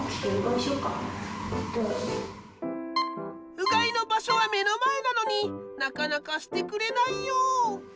うがいの場所は目の前なのになかなかしてくれないよぉ！